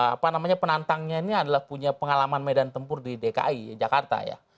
apa namanya penantangnya ini adalah punya pengalaman medan tempur di dki jakarta ya